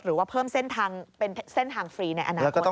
หรือว่าเพิ่มเส้นทางเป็นเส้นทางฟรีในอนาคต